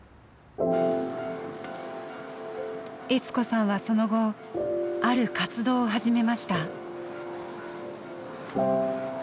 悦子さんはその後ある活動を始めました。